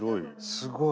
すごい。